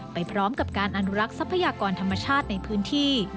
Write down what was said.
ไปพร้อมกับการอนุรักษ์ทรัพยากรธรรมชาติในพื้นที่